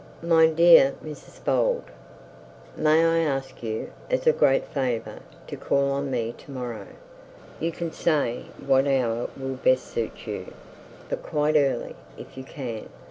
'My dear Mrs Bold May I ask you, as a great favour, to call on me to morrow? You can say what hour will best suit you; but quite early, if you can.